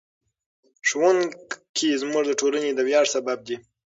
ښوونکي زموږ د ټولنې د ویاړ سبب دي.